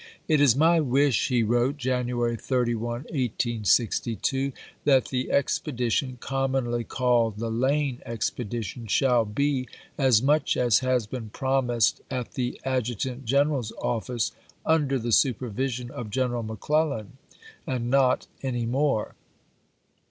" It is my wish," he wrote, January 31, 1862, " that the expedition commonly called the ' Lane Expedition ' shall be, as much as has been promised at the Adjutant General's office, under the supervision of General McClellan, and not any more.